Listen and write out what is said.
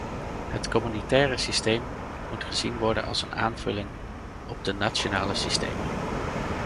Het communautaire systeem moet gezien worden als een aanvulling op de nationale systemen.